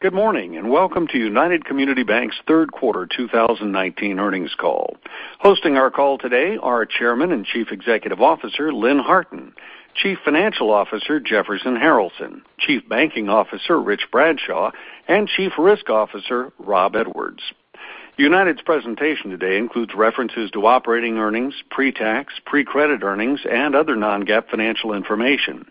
Good morning, and welcome to United Community Banks' third quarter 2019 earnings call. Hosting our call today are Chairman and Chief Executive Officer, Lynn Harton, Chief Financial Officer, Jefferson Harralson, Chief Banking Officer, Rich Bradshaw, and Chief Risk Officer, Rob Edwards. United's presentation today includes references to operating earnings, pre-tax, pre-credit earnings, and other non-GAAP financial information.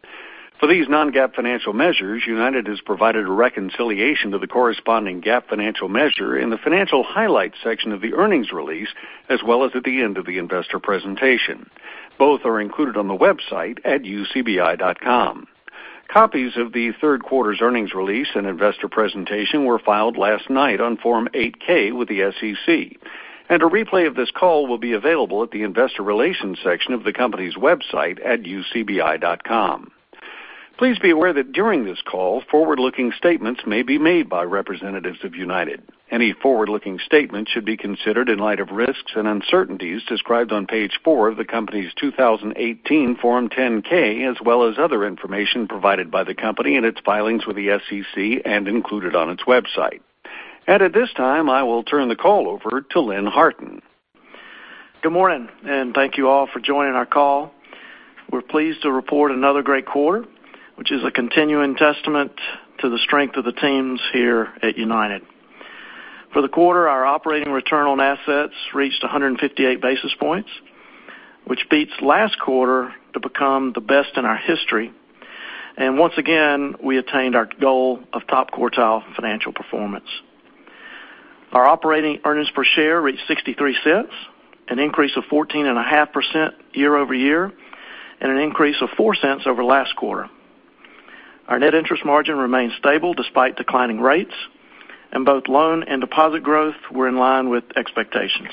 For these non-GAAP financial measures, United has provided a reconciliation to the corresponding GAAP financial measure in the financial highlights section of the earnings release, as well as at the end of the investor presentation. Both are included on the website at ucbi.com. Copies of the third quarter's earnings release and investor presentation were filed last night on Form 8-K with the SEC, and a replay of this call will be available at the investor relations section of the company's website at ucbi.com. Please be aware that during this call, forward-looking statements may be made by representatives of United. Any forward-looking statements should be considered in light of risks and uncertainties described on page four of the company's 2018 Form 10-K, as well as other information provided by the company in its filings with the SEC and included on its website. At this time, I will turn the call over to Lynn Harton. Good morning, and thank you all for joining our call. We're pleased to report another great quarter, which is a continuing testament to the strength of the teams here at United. For the quarter, our operating return on assets reached 158 basis points, which beats last quarter to become the best in our history. Once again, we attained our goal of top-quartile financial performance. Our operating earnings per share reached $0.63, an increase of 14.5% year-over-year, and an increase of $0.04 over last quarter. Our net interest margin remained stable despite declining rates, and both loan and deposit growth were in line with expectations.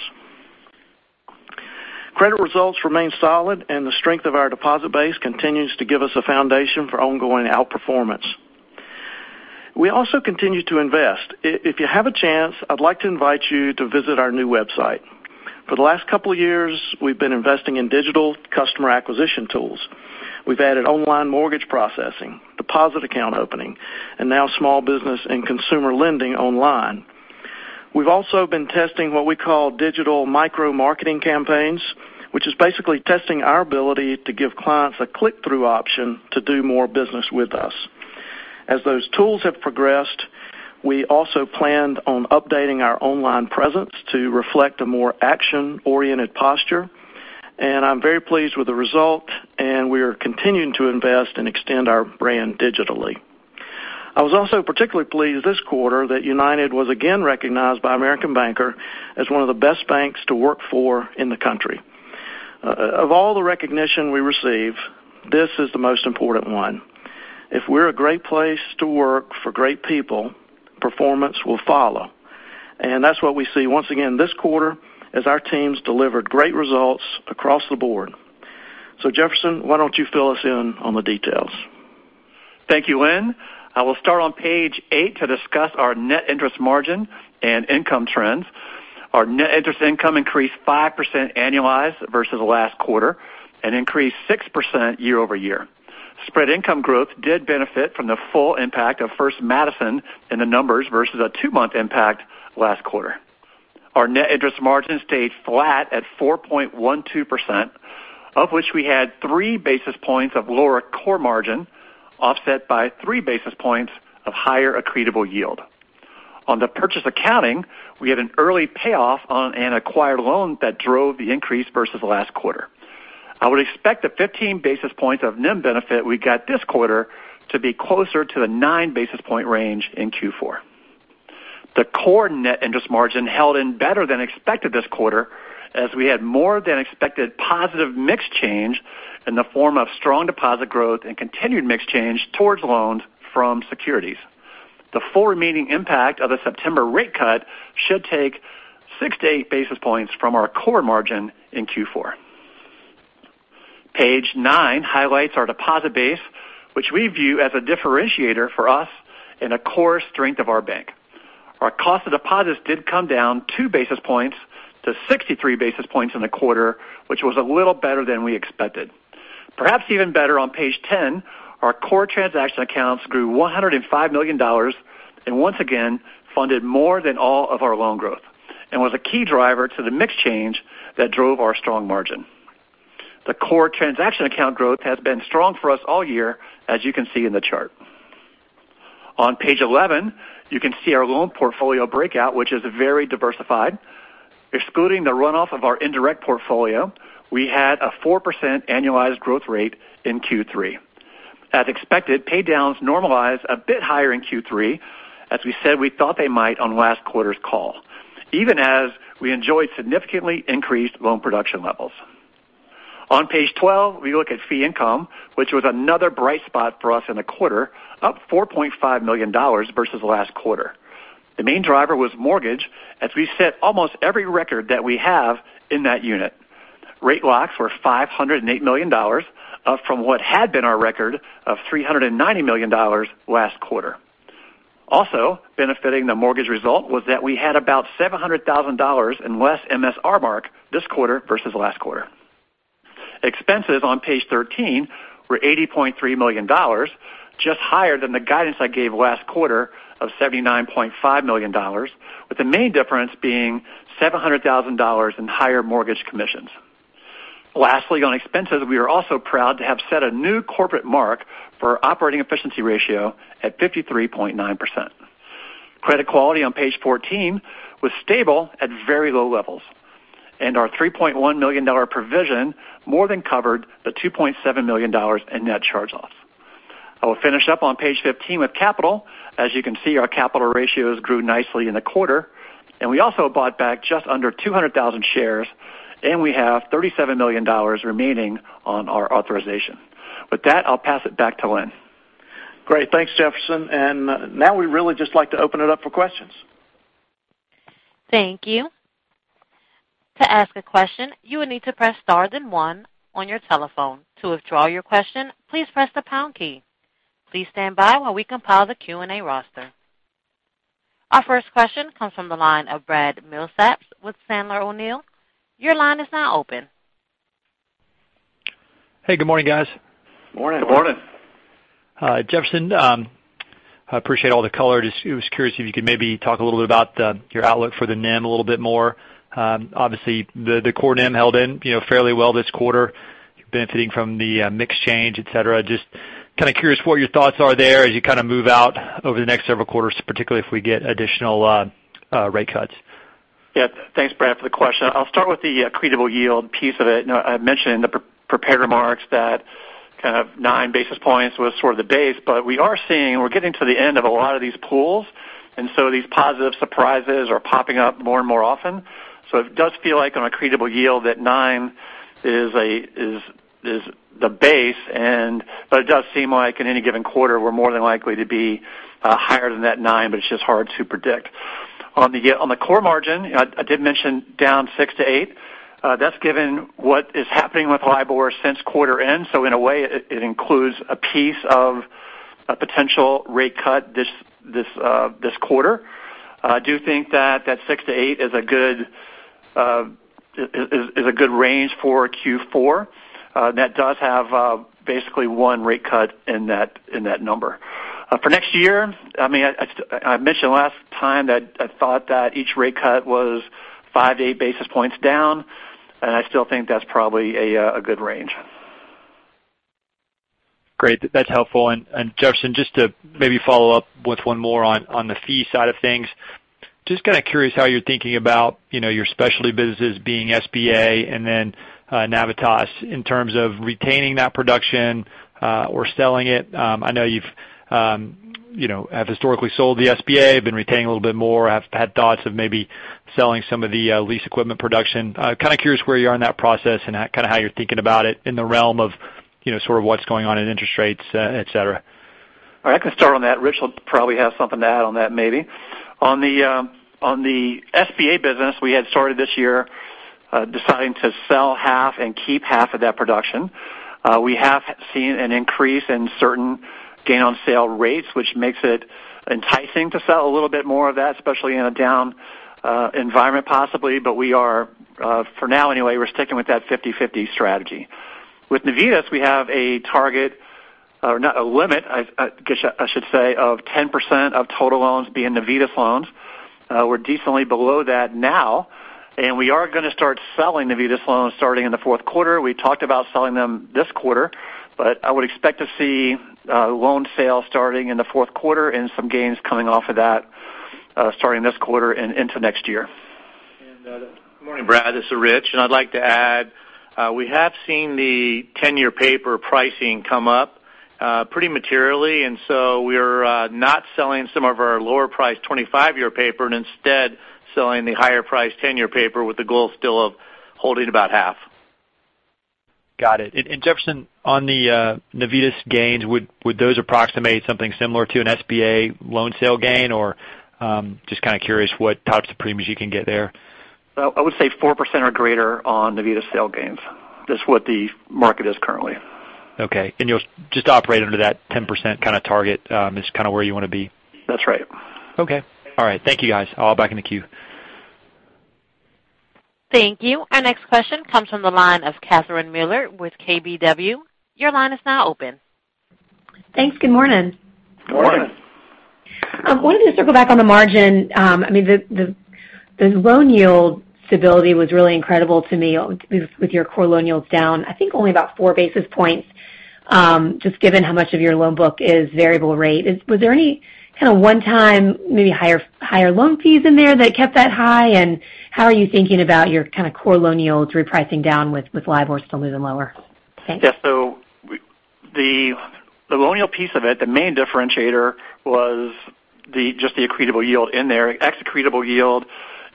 Credit results remain solid, and the strength of our deposit base continues to give us a foundation for ongoing outperformance. We also continue to invest. If you have a chance, I'd like to invite you to visit our new website. For the last couple of years, we've been investing in digital customer acquisition tools. We've added online mortgage processing, deposit account opening, and now small business and consumer lending online. We've also been testing what we call digital micro-marketing campaigns, which is basically testing our ability to give clients a click-through option to do more business with us. As those tools have progressed, we also planned on updating our online presence to reflect a more action-oriented posture, and I'm very pleased with the result, and we are continuing to invest and extend our brand digitally. I was also particularly pleased this quarter that United was again recognized by American Banker as one of the Best Banks to Work For in the country. Of all the recognition we receive, this is the most important one. If we're a great place to work for great people, performance will follow. That's what we see once again this quarter as our teams delivered great results across the board. Jefferson, why don't you fill us in on the details? Thank you, Lynn. I will start on page eight to discuss our net interest margin and income trends. Our net interest income increased 5% annualized versus last quarter and increased 6% year-over-year. Spread income growth did benefit from the full impact of First Madison in the numbers versus a two-month impact last quarter. Our net interest margin stayed flat at 4.12%, of which we had three basis points of lower core margin, offset by three basis points of higher accretable yield. On the purchase accounting, we had an early payoff on an acquired loan that drove the increase versus last quarter. I would expect the 15 basis points of NIM benefit we got this quarter to be closer to the nine basis point range in Q4. The core net interest margin held in better than expected this quarter, as we had more than expected positive mix change in the form of strong deposit growth and continued mix change towards loans from securities. The full remaining impact of the September rate cut should take 6-8 basis points from our core margin in Q4. Page nine highlights our deposit base, which we view as a differentiator for us and a core strength of our bank. Our cost of deposits did come down two basis points to 63 basis points in the quarter, which was a little better than we expected. Perhaps even better on page 10, our core transaction accounts grew $105 million, and once again, funded more than all of our loan growth and was a key driver to the mix change that drove our strong margin. The core transaction account growth has been strong for us all year, as you can see in the chart. On page 11, you can see our loan portfolio breakout, which is very diversified. Excluding the runoff of our indirect portfolio, we had a 4% annualized growth rate in Q3. As expected, pay-downs normalized a bit higher in Q3, as we said we thought they might on last quarter's call, even as we enjoyed significantly increased loan production levels. On page 12, we look at fee income, which was another bright spot for us in the quarter, up $4.5 million versus last quarter. The main driver was mortgage, as we set almost every record that we have in that unit. Rate locks were $508 million, up from what had been our record of $390 million last quarter. Also benefiting the mortgage result was that we had about $700,000 in less MSR mark this quarter versus last quarter. Expenses on page 13 were $80.3 million, just higher than the guidance I gave last quarter of $79.5 million, with the main difference being $700,000 in higher mortgage commissions. Lastly, on expenses, we are also proud to have set a new corporate mark for operating efficiency ratio at 53.9%. Credit quality on page 14 was stable at very low levels, and our $3.1 million provision more than covered the $2.7 million in net charge-offs. I will finish up on page 15 with capital. As you can see, our capital ratios grew nicely in the quarter, and we also bought back just under 200,000 shares, and we have $37 million remaining on our authorization. With that, I'll pass it back to Lynn. Great. Thanks, Jefferson. Now we'd really just like to open it up for questions. Thank you. To ask a question, you will need to press star then one on your telephone. To withdraw your question, please press the pound key. Please stand by while we compile the Q&A roster. Our first question comes from the line of Brad Milsaps with Sandler O'Neill. Your line is now open. Hey, good morning, guys. Morning. Morning. Jefferson, I appreciate all the color. Just was curious if you could maybe talk a little bit about your outlook for the NIM a little bit more? Obviously, the core NIM held in fairly well this quarter, benefiting from the mix change, et cetera. Just kind of curious what your thoughts are there as you kind of move out over the next several quarters, particularly if we get additional rate cuts? Yeah. Thanks, Brad, for the question. I'll start with the accretable yield piece of it. I mentioned in the prepared remarks that kind of nine basis points was sort of the base, but we are seeing, we're getting to the end of a lot of these pools, and so these positive surprises are popping up more and more often. So it does feel like on accretable yield that nine is the base, but it does seem like in any given quarter, we're more than likely to be higher than that nine, but it's just hard to predict. On the core margin, I did mention down 6-8. That's given what is happening with LIBOR since quarter end, so in a way, it includes a piece of a potential rate cut this quarter. I do think that that 6-8 is a good range for Q4. That does have basically one rate cut in that number. For next year, I mentioned last time that I thought that each rate cut was 5 to 8 basis points down, and I still think that's probably a good range. Great. That's helpful. Jefferson, just to maybe follow up with one more on the fee side of things. Just kind of curious how you're thinking about your specialty businesses being SBA and then Navitas in terms of retaining that production or selling it. I know you've historically sold the SBA, been retaining a little bit more, have had thoughts of maybe selling some of the lease equipment production. Kind of curious where you are in that process and kind of how you're thinking about it in the realm of sort of what's going on in interest rates, et cetera. I can start on that. Rich will probably have something to add on that maybe. On the SBA business, we had started this year deciding to sell half and keep half of that production. We have seen an increase in certain gain on sale rates, which makes it enticing to sell a little bit more of that, especially in a down environment, possibly. For now anyway, we're sticking with that 50/50 strategy. With Navitas, we have a target or a limit, I should say, of 10% of total loans being Navitas loans. We're decently below that now, and we are going to start selling Navitas loans starting in the fourth quarter. We talked about selling them this quarter, I would expect to see loan sales starting in the fourth quarter and some gains coming off of that starting this quarter and into next year. Good morning, Brad. This is Rich. I'd like to add, we have seen the 10-year paper pricing come up pretty materially. So we are not selling some of our lower priced 25-year paper and instead selling the higher priced 10-year paper with the goal still of holding about half. Got it. Jefferson, on the Navitas gains, would those approximate something similar to an SBA loan sale gain or just kind of curious what types of premiums you can get there? I would say 4% or greater on Navitas sale gains. That's what the market is currently. Okay. You'll just operate under that 10% kind of target is kind of where you want to be? That's right. Okay. All right. Thank you, guys. I'll hop back in the queue. Thank you. Our next question comes from the line of Catherine Mealor with KBW. Your line is now open. Thanks. Good morning. Morning. Morning. I wanted to circle back on the margin. The loan yield stability was really incredible to me with your core loan yields down, I think only about four basis points, just given how much of your loan book is variable rate. Was there any kind of one-time, maybe higher loan fees in there that kept that high? How are you thinking about your kind of core loan yields repricing down with LIBOR still moving lower? Thanks. Yeah. The loan yield piece of it, the main differentiator was just the accretable yield in there. Ex-accretable yield,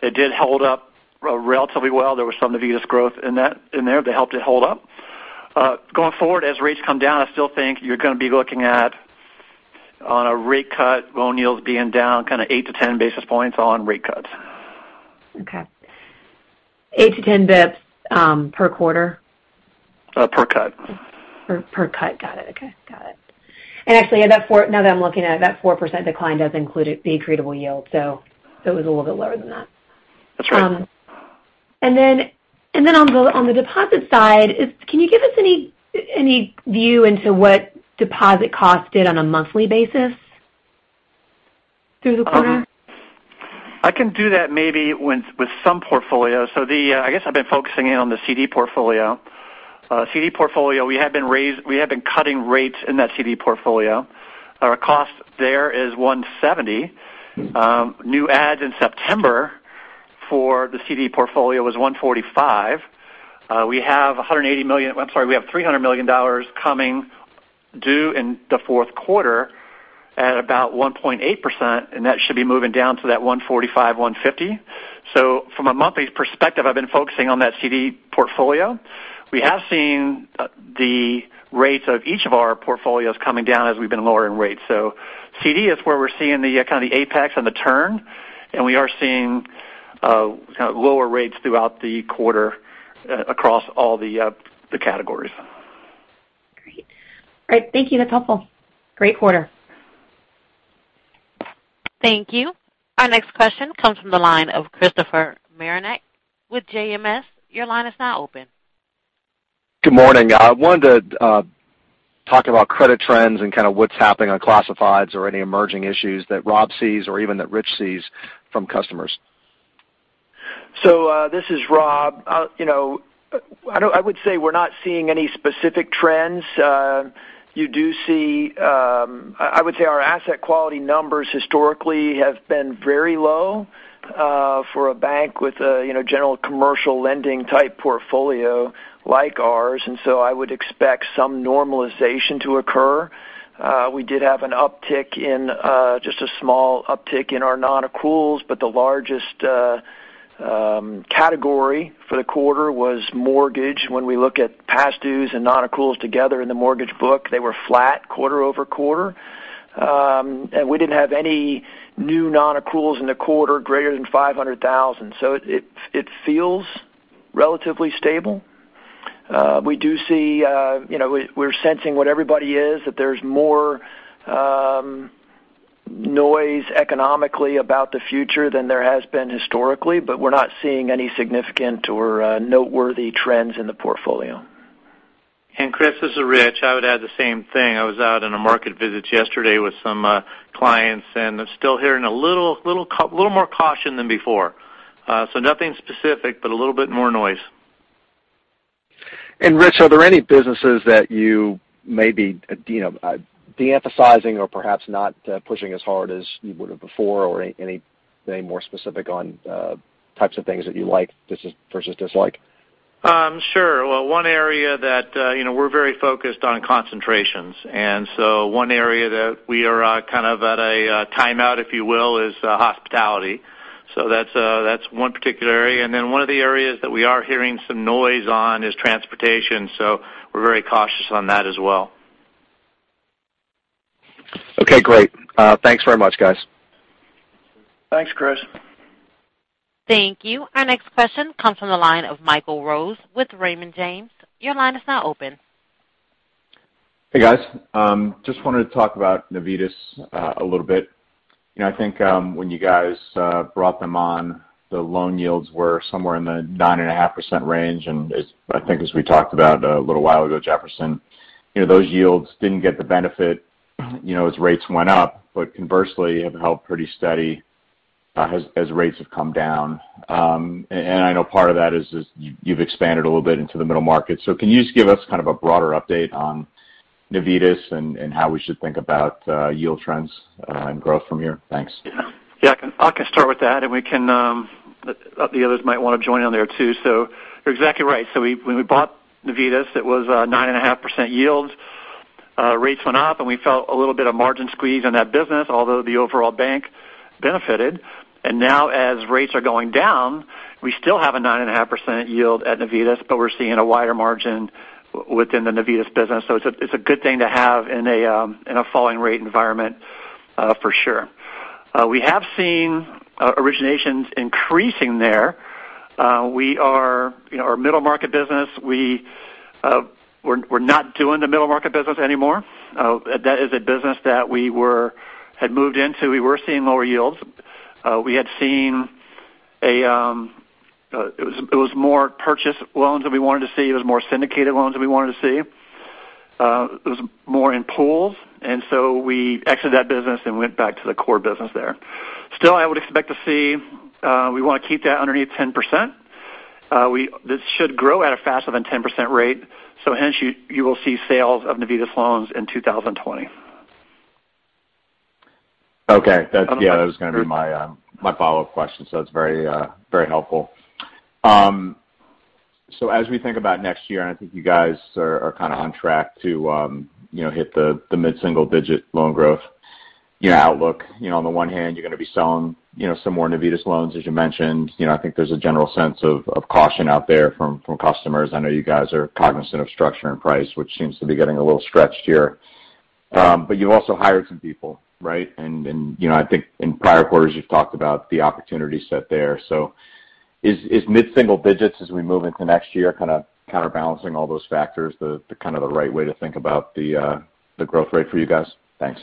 it did hold up relatively well. There was some Navitas growth in there that helped it hold up. Going forward, as rates come down, I still think you're going to be looking at on a rate cut, loan yields being down kind of eight to 10 basis points on rate cuts. Okay. Eight to 10 basis points per quarter? Per cut. Per cut. Got it. Okay. Got it. Actually, now that I'm looking at it, that 4% decline does include the accretable yield, so it was a little bit lower than that. Sure. On the deposit side, can you give us any view into what deposit cost did on a monthly basis through the quarter? I can do that maybe with some portfolios. I guess I've been focusing in on the CD portfolio. CD portfolio, we have been cutting rates in that CD portfolio. Our cost there is 170. New adds in September for the CD portfolio was 145. We have $300 million coming due in the fourth quarter at about 1.8%, and that should be moving down to that 145, 150. From a monthly perspective, I've been focusing on that CD portfolio. We have seen the rates of each of our portfolios coming down as we've been lowering rates. CD is where we're seeing the kind of the apex and the turn, and we are seeing lower rates throughout the quarter across all the categories. Great. All right. Thank you. That's helpful. Great quarter. Thank you. Our next question comes from the line of Christopher Marinac with JMS. Your line is now open. Good morning. I wanted to talk about credit trends and kind of what's happening on classifieds or any emerging issues that Rob sees or even that Rich sees from customers. This is Rob. I would say we're not seeing any specific trends. I would say our asset quality numbers historically have been very low for a bank with a general commercial lending type portfolio like ours. I would expect some normalization to occur. We did have just a small uptick in our non-accruals, but the largest category for the quarter was mortgage. When we look at past dues and non-accruals together in the mortgage book, they were flat quarter-over-quarter. We didn't have any new non-accruals in the quarter greater than $500,000. It feels relatively stable. We're sensing what everybody is, that there's more noise economically about the future than there has been historically, but we're not seeing any significant or noteworthy trends in the portfolio. Chris, this is Rich. I would add the same thing. I was out on a market visit yesterday with some clients. I'm still hearing a little more caution than before, nothing specific, but a little bit more noise. Rich, are there any businesses that you may be de-emphasizing or perhaps not pushing as hard as you would have before? Any more specific on types of things that you like versus dislike? Sure. Well, one area that we're very focused on concentrations, one area that we are kind of at a timeout, if you will, is hospitality. That's one particular area. One of the areas that we are hearing some noise on is transportation, we're very cautious on that as well. Okay, great. Thanks very much, guys. Thanks, Chris. Thank you. Our next question comes from the line of Michael Rose with Raymond James. Your line is now open. Hey, guys. Just wanted to talk about Navitas a little bit. I think when you guys brought them on, the loan yields were somewhere in the 9.5% range. I think as we talked about a little while ago, Jefferson, those yields didn't get the benefit as rates went up, but conversely have held pretty steady as rates have come down. I know part of that is you've expanded a little bit into the middle market. Can you just give us kind of a broader update on Navitas and how we should think about yield trends and growth from here? Thanks. Yeah. I can start with that, and the others might want to join on there too. You're exactly right. When we bought Navitas, it was a 9.5% yield. Rates went up, and we felt a little bit of margin squeeze on that business, although the overall bank benefited. Now as rates are going down, we still have a 9.5% yield at Navitas, but we're seeing a wider margin within the Navitas business. It's a good thing to have in a falling rate environment for sure. We have seen originations increasing there. Our middle market business, we're not doing the middle market business anymore. That is a business that we had moved into. We were seeing lower yields. It was more purchase loans than we wanted to see. It was more syndicated loans than we wanted to see. It was more in pools, and so we exited that business and went back to the core business there. I would expect to see we want to keep that underneath 10%. This should grow at a faster than 10% rate. Hence you will see sales of Navitas loans in 2020. Okay. That was going to be my follow-up question, so that's very helpful. As we think about next year, and I think you guys are kind of on track to hit the mid-single digit loan growth outlook. On the one hand, you're going to be selling some more Navitas loans, as you mentioned. I think there's a general sense of caution out there from customers. I know you guys are cognizant of structure and price, which seems to be getting a little stretched here. You've also hired some people, right? I think in prior quarters, you've talked about the opportunity set there. Is mid-single digits as we move into next year kind of counterbalancing all those factors the kind of the right way to think about the growth rate for you guys? Thanks.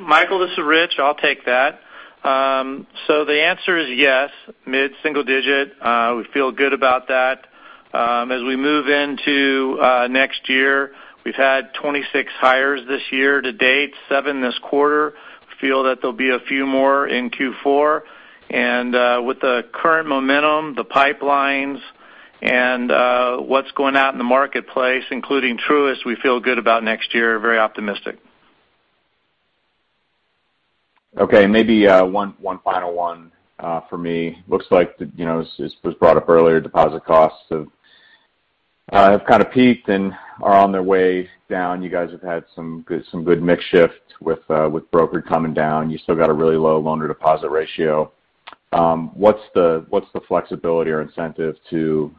Michael, this is Rich. I'll take that. The answer is yes, mid-single digit. We feel good about that. As we move into next year, we've had 26 hires this year to date, seven this quarter. Feel that there'll be a few more in Q4. With the current momentum, the pipelines, and what's going out in the marketplace, including Truist, we feel good about next year. Very optimistic. Okay, maybe one final one for me. Looks like, as was brought up earlier, deposit costs have kind of peaked and are on their way down. You guys have had some good mix shift with broker coming down. You still got a really low loan-to-deposit ratio. What's the flexibility or incentive to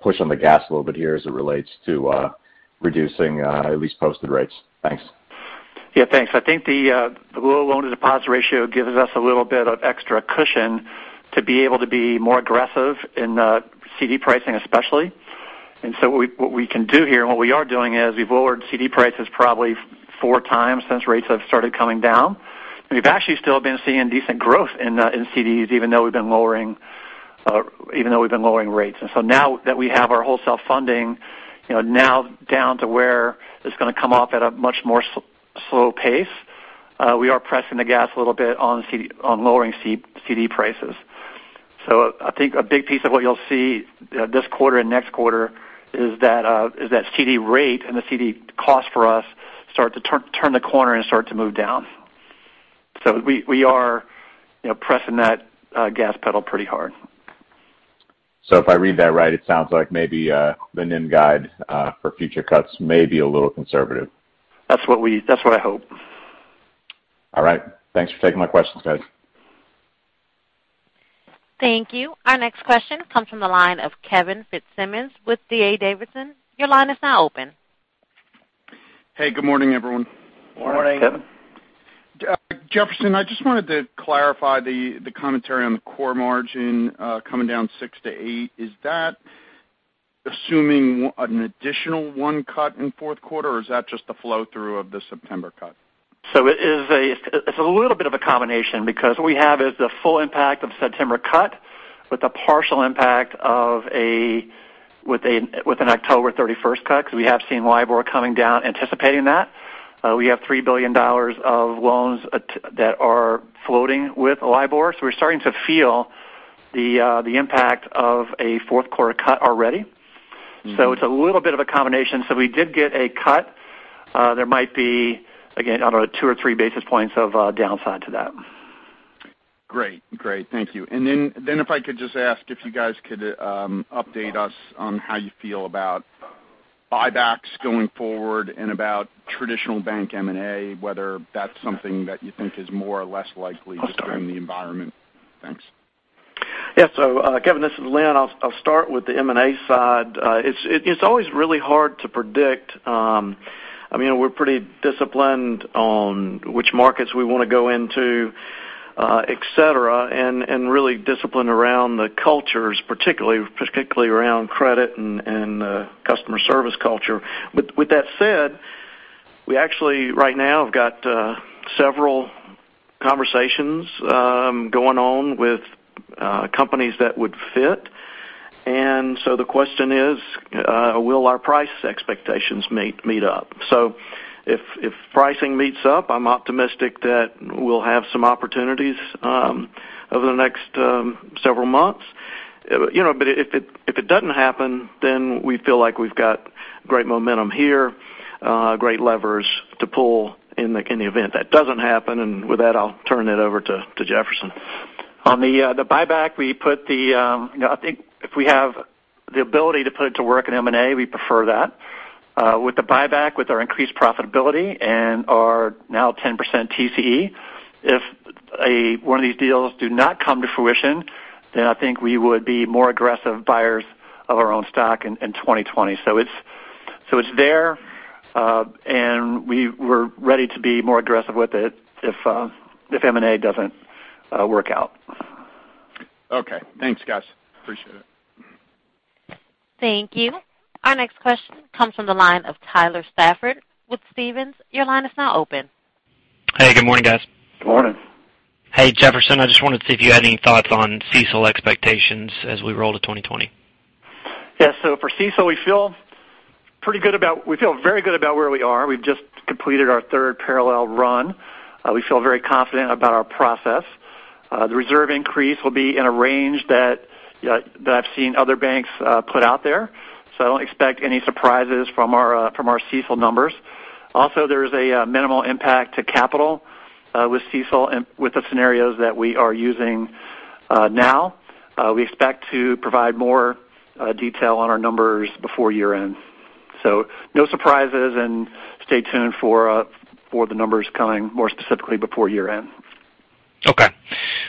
push on the gas a little bit here as it relates to reducing at least posted rates? Thanks. Yeah, thanks. I think the low loan-to-deposit ratio gives us a little bit of extra cushion to be able to be more aggressive in CD pricing especially. What we can do here, and what we are doing is, we've lowered CD prices probably four times since rates have started coming down. We've actually still been seeing decent growth in CDs even though we've been lowering rates. Now that we have our wholesale funding now down to where it's going to come off at a much more slow pace, we are pressing the gas a little bit on lowering CD prices. I think a big piece of what you'll see this quarter and next quarter is that CD rate and the CD cost for us start to turn the corner and start to move down. We are pressing that gas pedal pretty hard. If I read that right, it sounds like maybe the NIM guide for future cuts may be a little conservative. That's what I hope. All right. Thanks for taking my questions, guys. Thank you. Our next question comes from the line of Kevin Fitzsimmons with D.A. Davidson. Your line is now open. Hey, good morning, everyone. Morning. Morning. Jefferson, I just wanted to clarify the commentary on the core margin coming down six to eight. Is that assuming an additional one cut in fourth quarter, or is that just the flow-through of the September cut? It's a little bit of a combination because what we have is the full impact of September cut with a partial impact with an October 31st cut because we have seen LIBOR coming down anticipating that. We have $3 billion of loans that are floating with LIBOR, so we're starting to feel the impact of a fourth quarter cut already. It's a little bit of a combination. We did get a cut. There might be, again, I don't know, two or three basis points of downside to that. Great. Thank you. If I could just ask if you guys could update us on how you feel about buybacks going forward and about traditional bank M&A, whether that's something that you think is more or less likely just given the environment. Thanks. Yeah. Kevin, this is Lynn. I'll start with the M&A side. It's always really hard to predict. We're pretty disciplined on which markets we want to go into, et cetera, and really disciplined around the cultures, particularly around credit and customer service culture. With that said, we actually right now have got several conversations going on with companies that would fit. The question is: Will our price expectations meet up? If pricing meets up, I'm optimistic that we'll have some opportunities over the next several months. If it doesn't happen, we feel like we've got great momentum here, great levers to pull in the event that doesn't happen. With that, I'll turn it over to Jefferson. On the buyback, I think if we have the ability to put it to work in M&A, we prefer that. With the buyback, with our increased profitability and our now 10% TCE, if one of these deals do not come to fruition, I think we would be more aggressive buyers of our own stock in 2020. It's there, and we're ready to be more aggressive with it if M&A doesn't work out. Okay. Thanks, guys. Appreciate it. Thank you. Our next question comes from the line of Tyler Stafford with Stephens. Your line is now open. Hey, good morning, guys. Morning. Hey, Jefferson. I just wanted to see if you had any thoughts on CECL expectations as we roll to 2020. Yeah. For CECL, we feel very good about where we are. We've just completed our third parallel run. We feel very confident about our process. The reserve increase will be in a range that I've seen other banks put out there, so I don't expect any surprises from our CECL numbers. Also, there's a minimal impact to capital with CECL and with the scenarios that we are using now. We expect to provide more detail on our numbers before year-end. No surprises, and stay tuned for the numbers coming more specifically before year-end. Okay.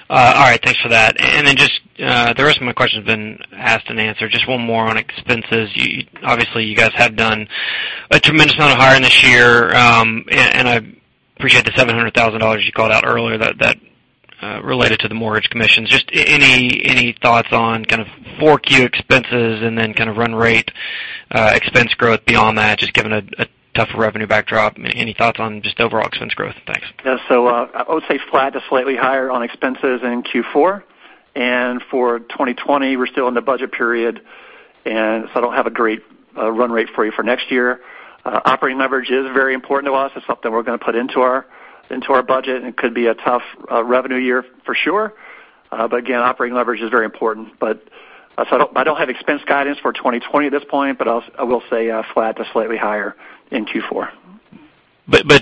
All right. Thanks for that. Just the rest of my question's been asked and answered. Just one more on expenses. Obviously, you guys have done a tremendous amount of hiring this year, and I appreciate the $700,000 you called out earlier that related to the mortgage commissions. Just any thoughts on kind of 4Q expenses and then kind of run rate expense growth beyond that, just given a tough revenue backdrop? Any thoughts on just overall expense growth? Thanks. Yeah. I would say flat to slightly higher on expenses in Q4. For 2020, we're still in the budget period, and so I don't have a great run rate for you for next year. Operating leverage is very important to us. It's something we're going to put into our budget, and it could be a tough revenue year for sure. Again, operating leverage is very important. I don't have expense guidance for 2020 at this point, but I will say flat to slightly higher in Q4.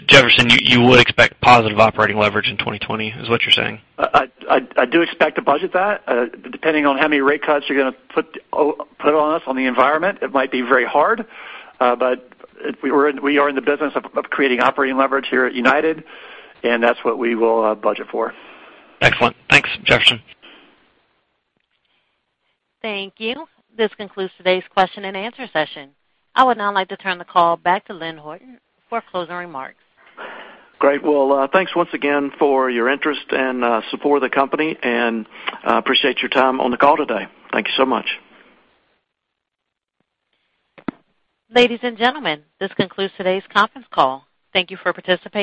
Jefferson, you would expect positive operating leverage in 2020, is what you're saying? I do expect to budget that. Depending on how many rate cuts you're going to put on us on the environment, it might be very hard. We are in the business of creating operating leverage here at United, and that's what we will budget for. Excellent. Thanks, Jefferson. Thank you. This concludes today's question and answer session. I would now like to turn the call back to Lynn Harton for closing remarks. Great. Well, thanks once again for your interest and support of the company, and appreciate your time on the call today. Thank you so much. Ladies and gentlemen, this concludes today's conference call. Thank you for participating.